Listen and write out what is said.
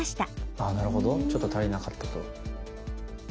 あなるほどちょっと足りなかったと。